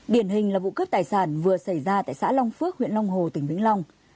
điển hình là vụ cướp tài sản vừa xảy ra tại xã long phước huyện long hồ tỉnh vĩnh long